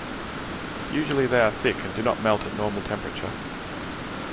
Usually they are thick and do not melt at normal temperature.